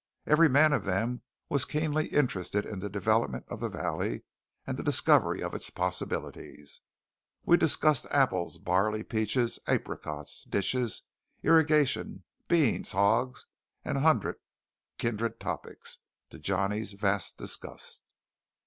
Every man of them was keenly interested in the development of the valley and the discovery of its possibilities. We discussed apples, barley, peaches, apricots, ditches, irrigation, beans, hogs, and a hundred kindred topics, to Johnny's vast disgust.